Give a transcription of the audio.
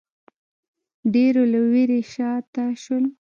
ډېرو له وېرې شا ته شول